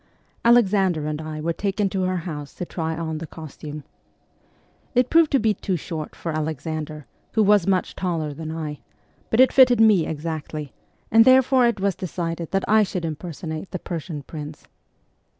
Alexander and I were taken to her house to try on the costume. It proved to be too short for Alexander, who was much taller than I, but it fitted me exactly, and therefore it was decided that I should impersonate the Persian prince.